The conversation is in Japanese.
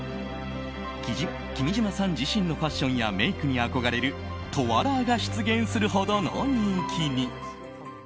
君島さん自身のファッションやメイクに憧れるトワラーが出現するほどの人気に。